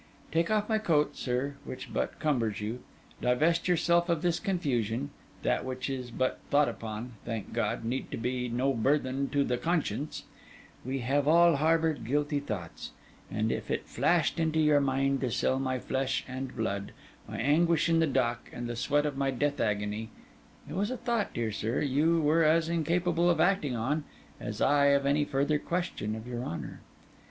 Take off my coat, sir—which but cumbers you. Divest yourself of this confusion: that which is but thought upon, thank God, need be no burthen to the conscience; we have all harboured guilty thoughts: and if it flashed into your mind to sell my flesh and blood, my anguish in the dock, and the sweat of my death agony—it was a thought, dear sir, you were as incapable of acting on, as I of any further question of your honour.